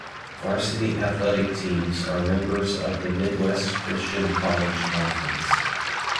Varsity athletic teams are members of the Midwest Christian College Conference.